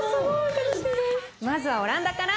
まずはオランダから。